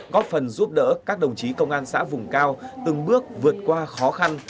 góp phần giúp đỡ các đồng chí công an xã vùng cao từng bước vượt qua khó khăn